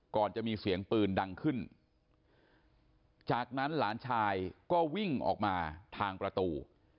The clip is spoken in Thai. ก่อนจะมีเสียงปืนดังขึ้นจากนั้นหลานชายก็วิ่งออกมาทางประตู